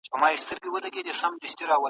خلګو په وروستيو کلونو کې دا اصطلاح پېژندلې.